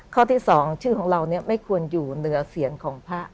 ข้อที่๒ชื่อของเราไม่ควรอยู่เหนือเสียงของพระ